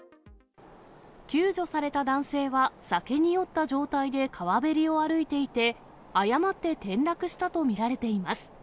救助された男性は、酒に酔った状態で川べりを歩いていて、誤って転落したと見られています。